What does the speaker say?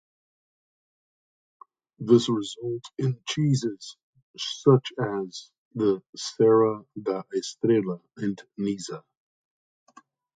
This results in cheeses such as the Serra da Estrela and Nisa.